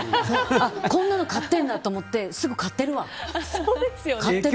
こんなの買ってるんだと思ってすぐ買ってるわ。